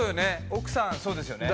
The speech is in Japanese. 奥さんそうですよね。